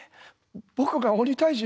僕が鬼退治？